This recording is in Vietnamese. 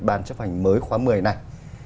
ban chấp hành mới khóa một mươi này